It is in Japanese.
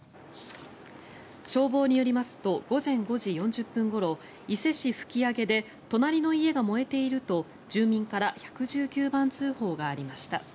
消防によりますと午前５時４０分ごろ伊勢市吹上で隣の家が燃えていると住民から１１９番通報がありました。